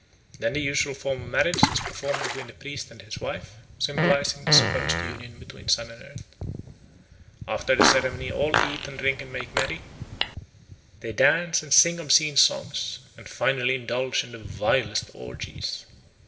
Then the usual form of marriage is performed between the priest and his wife, symbolising the supposed union between Sun and Earth. After the ceremony all eat and drink and make merry; they dance and sing obscene songs, and finally indulge in the vilest orgies.